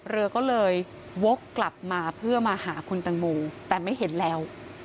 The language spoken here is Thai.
เรือก็เลยวกกลับมาเพื่อมาหาคุณตังโมแต่ไม่เห็นแล้ว